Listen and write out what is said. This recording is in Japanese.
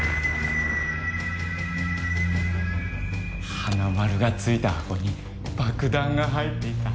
「はなまる」が付いた箱に爆弾が入っていた。